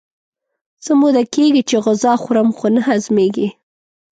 څه موده کېږي چې غذا خورم خو نه هضمېږي.